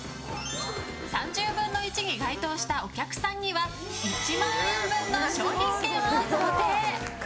３０分の１に該当したお客さんには１万円分の商品券を贈呈。